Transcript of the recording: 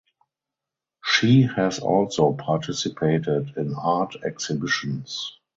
She has also participated in art exhibitions.